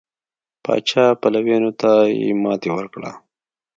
پاچا پلویانو ته یې ماتې ورکړه.